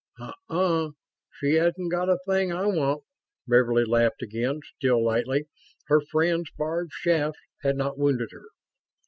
"Uh uh, she hasn't got a thing I want," Beverly laughed again, still lightly. Her friend's barbed shafts had not wounded her.